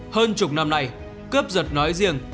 hơn chục năm này cướp giật nói riêng